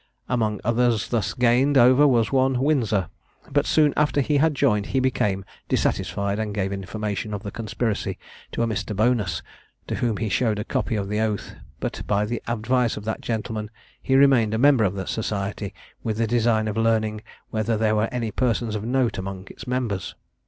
Among others thus gained over was one Windsor, but soon after he had joined he became dissatisfied, and gave information of the conspiracy to a Mr. Bonus, to whom he showed a copy of the oath, but by the advice of that gentleman, he remained a member of the society with the design of learning whether there were any persons of note among its members.